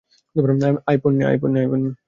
আয়, পোন্নি।